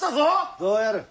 どうやる。